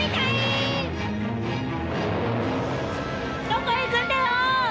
どこへ行くんだよ！